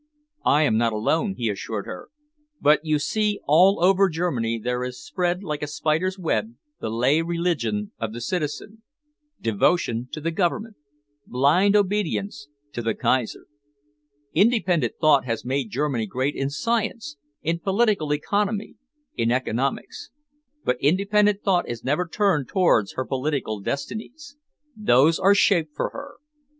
"I am not alone," he assured her, "but, you see, all over Germany there is spread like a spider's web the lay religion of the citizen devotion to the Government, blind obedience to the Kaiser. Independent thought has made Germany great in science, in political economy, in economics. But independent thought is never turned towards her political destinies. Those are shaped for her.